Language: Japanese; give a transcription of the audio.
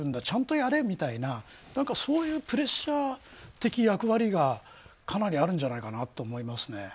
ちゃんとやれみたいなプレッシャー的役割がかなりあるんじゃないかなと思いますね。